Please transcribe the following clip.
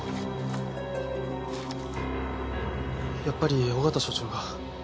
やっぱり緒方署長が。